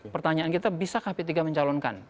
pertanyaan kita bisakah p tiga mencalonkan